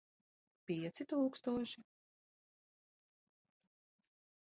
Pieci tūkstoši.